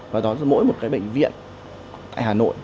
và đó là mỗi một cái bệnh viện tại hà nội